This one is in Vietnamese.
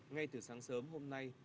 ngay từ sáng sớm hôm nay